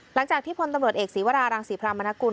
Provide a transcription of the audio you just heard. หลังจากที่พลตำรวจเอกศีวรารังศรีพรามนกุล